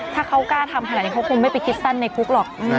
ถ้าเขากล้าทำใจฉะนั้นแก่เขาก็ไม่ไปคิดซ่อนในคุกหรอก